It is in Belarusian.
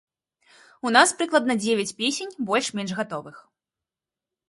У нас прыкладна дзевяць песень больш-менш гатовых.